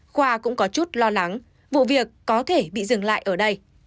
khoa cũng có chút lo lắng vụ việc có thể bị dừng lại ở đây